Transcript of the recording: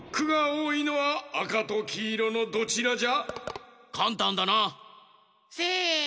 おおいのはあかときいろのどちらじゃ？